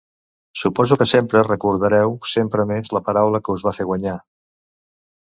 Suposo que sempre recordareu sempre més la paraula que us va fer guanyar.